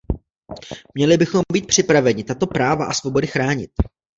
Měli bychom být připraveni tato práva a svobody chránit.